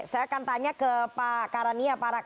saya akan tanya ke pak karania